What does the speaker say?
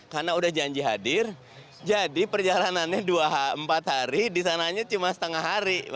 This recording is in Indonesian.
karena sudah janji hadir jadi perjalanannya dua empat hari di sananya cuma setengah hari